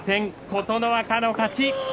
琴ノ若の勝ち。